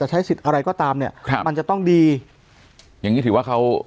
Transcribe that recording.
ใช้สิทธิ์อะไรก็ตามเนี่ยครับมันจะต้องดีอย่างงี้ถือว่าเขา